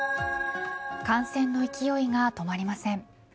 感染の勢いが止まりません。